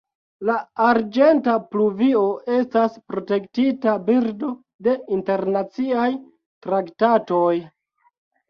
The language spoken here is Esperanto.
La arĝenta pluvio estas protektita birdo de internaciaj traktatoj.